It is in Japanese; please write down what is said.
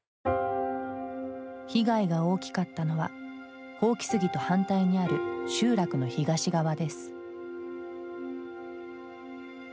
被害が大きかったのは箒杉と反対にある集落の東側です。